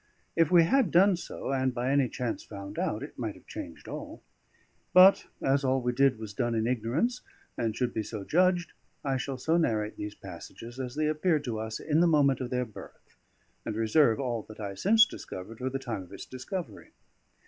If we had done so, and by any chance found out, it might have changed all. But as all we did was done in ignorance, and should be so judged, I shall so narrate these passages as they appeared to us in the moment of their birth, and reserve all that I since discovered for the time of its discovery.